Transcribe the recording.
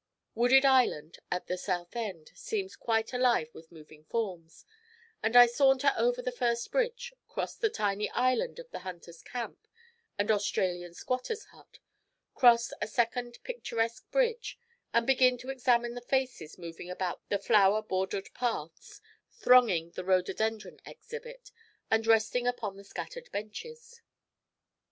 Wooded Island, at the south end, seems quite alive with moving forms; and I saunter over the first bridge, cross the tiny island of the hunters' camp and Australian squatters' hut, cross a second picturesque bridge, and begin to examine the faces moving about the flower bordered paths, thronging the rhododendron exhibit, and resting upon the scattered benches.